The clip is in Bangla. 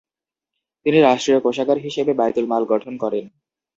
তিনি রাষ্ট্রীয় কোষাগার হিসেবে বাইতুল মাল গঠন করেন।